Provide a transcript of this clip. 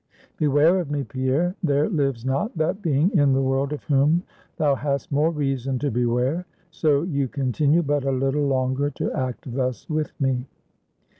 Beware of me, Pierre. There lives not that being in the world of whom thou hast more reason to beware, so you continue but a little longer to act thus with me."